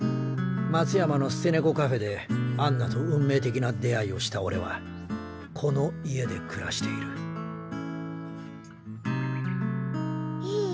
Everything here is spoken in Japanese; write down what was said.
松山の捨て猫カフェでアンナと運命的な出会いをしたオレはこの家で暮らしているいい？